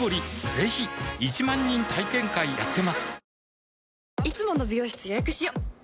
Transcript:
ぜひ１万人体験会やってますはぁ。